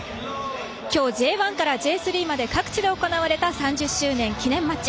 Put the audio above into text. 今日Ｊ１からＪ３の各地で行われたＪリーグ記念マッチ。